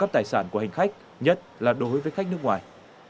tài sản của hành khách nhất là đối với khách nước ngoài